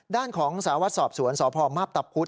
ด้านของสาวัสด์สอบสวนสพมตับพุธ